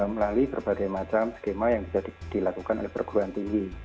melalui berbagai macam skema yang bisa dilakukan oleh perguruan tinggi